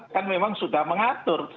kan memang sudah mengatur